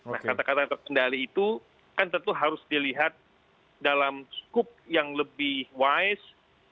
nah kata kata terkendali itu kan tentu harus dilihat dalam skup yang lebih wise